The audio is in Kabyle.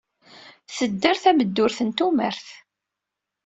Tedder tameddurt n tumert.